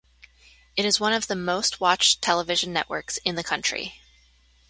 It is one of the most watched television networks in the country.